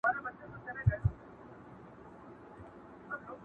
نهار خوښ یم په ښکار نه ځم د چنګښو،